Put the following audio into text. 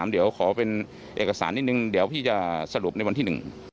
เดี๋ยวขอเป็นเอกสารนิดนึงเดี๋ยวพี่จะสรุปในวันที่หนึ่ง